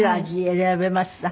選べました。